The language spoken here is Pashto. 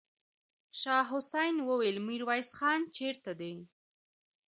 شاه حسين وويل: ميرويس خان چېرته دی؟